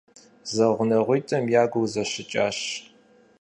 ЗэгъунэгъуитӀым я гур зэщыкӀащ.